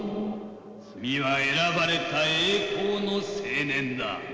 君は選ばれた栄光の青年だ」。